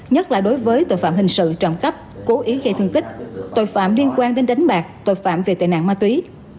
nhất là đối với tội phạm hình sự trộm cắp cố ý gây thương tích tội phạm liên quan đến đánh bạc tội phạm về tệ nạn ma túy